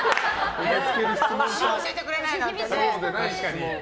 年教えてくれないなんてね。